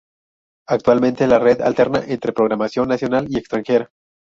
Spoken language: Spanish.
Actualmente, la Red alterna entre programación nacional y extranjera.